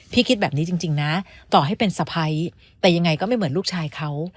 คิดแบบนี้จริงนะต่อให้เป็นสะพ้ายแต่ยังไงก็ไม่เหมือนลูกชายเขา